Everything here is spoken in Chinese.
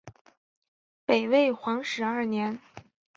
北魏皇始二年。